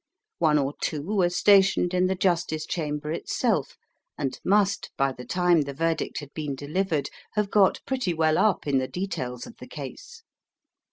One or two were stationed in the justice chamber itself, and must by the time the verdict had been delivered have got pretty well up in the details of the case.